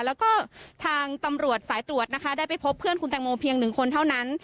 แล้วก็ทางตำรวจสายตรวจนะคะได้ไปพบเพื่อนคุณแตงโมเพียงหนึ่งคนเท่านั้น